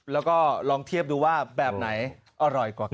แล้วก็ลองเทียบดูว่าแบบไหนอร่อยกว่ากัน